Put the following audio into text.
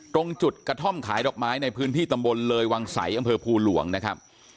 ตรงจุดกระท่อมขายดอกไม้ในพื้นที่ตำบลเลยวังใสอำเภอภูหลวงนะครับ